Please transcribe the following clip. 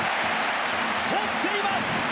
とっています！